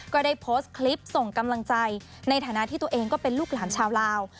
ก็ได้โพสต์คลิปส่งกำลังใจในฐานะที่ตัวเองก็เป็นลูกหลานชาวลาว